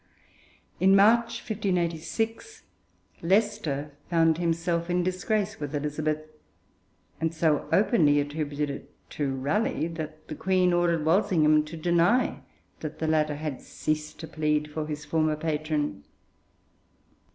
In March, 1586, Leicester found himself in disgrace with Elizabeth, and so openly attributed it to Raleigh that the Queen ordered Walsingham to deny that the latter had ceased to plead for his former patron.